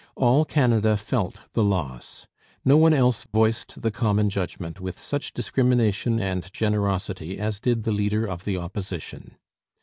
All Canada felt the loss. No one else voiced the common judgment with such discrimination and generosity as did the leader of the Opposition.